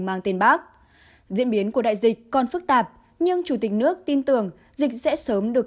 mang tên bác diễn biến của đại dịch còn phức tạp nhưng chủ tịch nước tin tưởng dịch sẽ sớm được